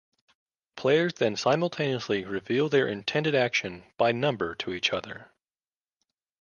Players then simultaneously reveal their intended action, by number, to each other.